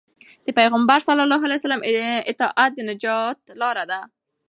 د پيغمبر ﷺ اطاعت د نجات لار ده.